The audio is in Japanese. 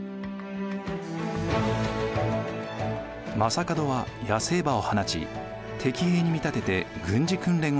将門は野生馬を放ち敵兵に見立てて軍事訓練をしたといわれています。